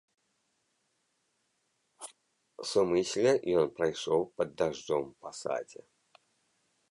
Сумысля ён прайшоў пад дажджом па садзе.